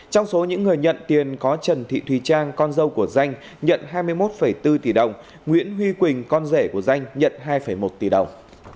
trong số những người nhận tiền có trần thị thùy trang con dâu của danh nhận hai mươi một bốn tỷ đồng nguyễn huy quỳnh con rể của danh nhận hai một tỷ đồng